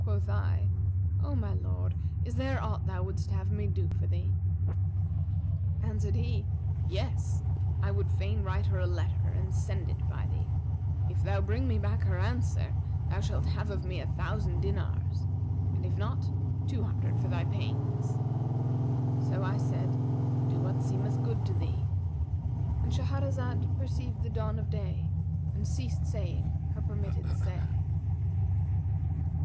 Quoth I, 'O my lord, is there aught thou wouldst have me do for thee?' Answered he, 'Yes, I would fain write her a letter and send it to her by thee. If thou bring me back her answer, thou shalt have of me a thousand dinars; and if not, two hundred for thy pains.' So I said, 'Do what seemeth good to thee;'—And Shahrazad perceived the dawn of day and ceased saying her permitted say.